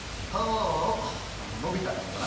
のび太君かな？